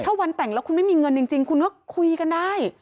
ถ้าวันแต่งแล้วคุณไม่มีเงินจริงคุณก็คุยกันได้